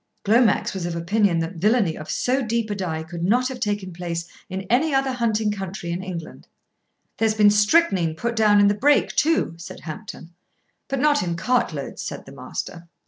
Glomax was of opinion that villainy of so deep a dye could not have taken place in any other hunting country in England. "There's been strychnine put down in the Brake too," said Hampton. "But not in cartloads," said the Master.